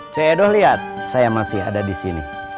cik edho liat saya masih ada disini